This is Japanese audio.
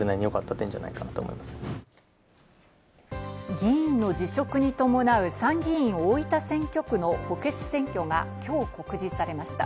議員の辞職に伴う、参議院大分選挙区の補欠選挙が今日告示されました。